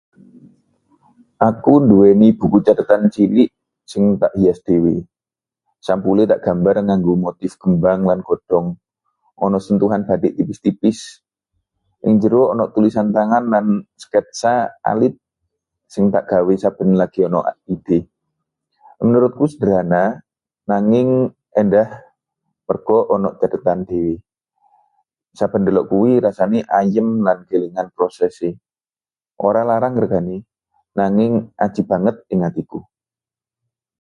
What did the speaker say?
Aku nduweni buku cathetan cilik sing tak hias dhewe. Sampulé tak gambar nganggo motif kembang lan godhong, ana sentuhan batik tipis-tipis. Ing njero, ana tulisan tangan lan sketsa alit sing tak gawe saben lagi ana ide. Menurutku sederhana, nanging endah merga ana ceritane dhewe. Saben ndelok kuwi, rasane ayem lan kelingan prosesé. Ora larang regane, nanging aji banget ing atiku.